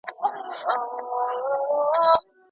د لږکیو حقونه څنګه خوندي کیږي؟